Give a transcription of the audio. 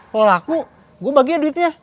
kalau aku gue baginya duitnya